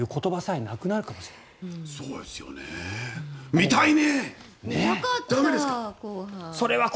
見たいね！